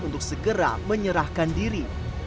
untuk segera menyerahkan diri